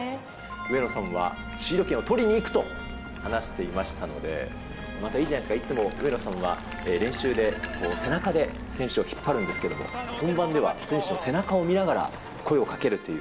上野さんはシード権を取りにいくと話していましたので、またいいじゃないですか、いつも上野さんは練習で、背中で選手を引っ張るんですけど、本番では選手の背中を見ながら声をかけるという。